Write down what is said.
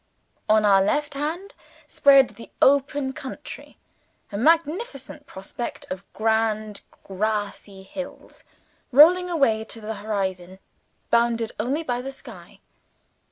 On our left hand, spread the open country a magnificent prospect of grand grassy hills, rolling away to the horizon; bounded only by the sky.